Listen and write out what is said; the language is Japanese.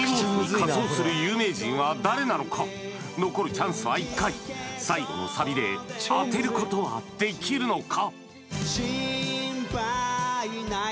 確かにね残るチャンスは１回最後のサビで当てることはできるのか？